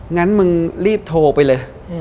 งั้นมึงรีบโทรไปเลย